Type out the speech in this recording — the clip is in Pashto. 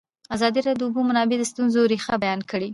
ازادي راډیو د د اوبو منابع د ستونزو رېښه بیان کړې.